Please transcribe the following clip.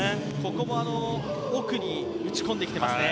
ここも奥に打ち込んできていますね。